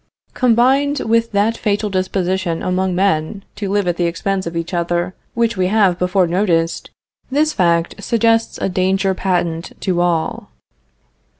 Combined with that fatal disposition among men to live at the expense of each other, which we have before noticed, this fact suggests a danger patent to all.